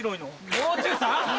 「もう中さん」